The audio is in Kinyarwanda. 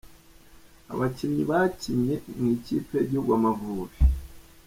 Abakinnyi bakinnye mw’ikipe y’igihugu « Amavubi »